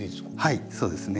はいそうですね。